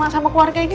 sama keluarga ini